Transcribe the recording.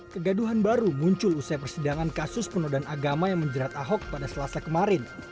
kegaduhan baru muncul usai persidangan kasus penodaan agama yang menjerat ahok pada selasa kemarin